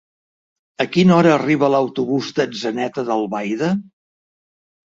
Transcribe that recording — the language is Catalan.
A quina hora arriba l'autobús d'Atzeneta d'Albaida?